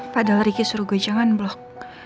padahal ricky suruh gue jangan blok